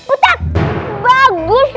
ustadz bagus ya